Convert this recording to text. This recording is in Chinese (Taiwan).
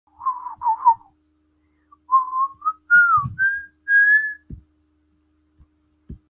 你想跟中共簽協議嗎？